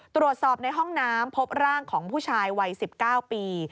ตรวจสอบในห้องน้ำพบร่างของผู้ชายวัย๑๙ปี